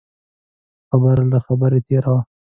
خبره له خبرې تېره وه.